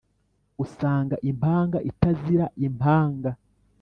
usanga impanga itazira impanga